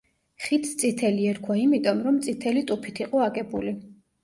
ხიდს „წითელი“ ერქვა იმიტომ, რომ წითელი ტუფით იყო აგებული.